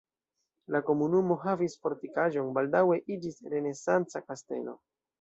La komunumo havis fortikaĵon, baldaŭe iĝis renesanca kastelo.